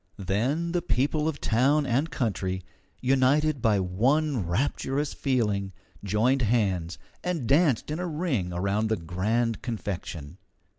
Then the people of town and country, united by one rapturous feeling, joined hands, and danced in a ring around the grand confection.